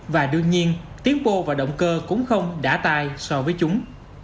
và đương nhiên tiến bộ và động cơ cũng không đã tai so với chúng